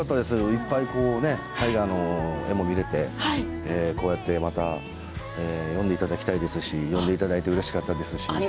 いっぱい大河の画も見られてこうやって、また呼んでいただきたいですし呼んでいただけてうれしかったです。